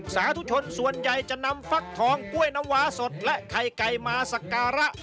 สาธุชนส่วนใหญ่จะนำฟักทองกล้วยน้ำวาสดและไข่ไก่มาสักการะ